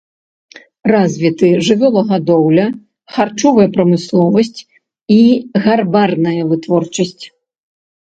Развіты жывёлагадоўля, харчовая прамысловасць і гарбарная вытворчасць.